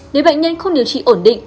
nếu bệnh nhân không điều trị ổn định